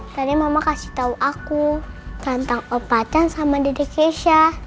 tadi mama kasih tau aku tentang om pacan sama dede keisha